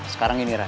sekarang ini ray